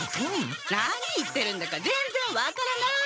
何言ってるんだかぜんぜん分からない！